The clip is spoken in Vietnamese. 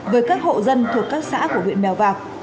với các hộ dân thuộc các xã của huyện mèo vạc